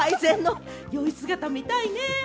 その姿、見たいね！